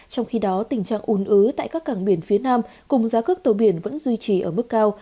trong khi đó tình trạng ồn ứ tại các cảng biển phía nam cùng giá cước tổ biển vẫn duy trì ở mức cao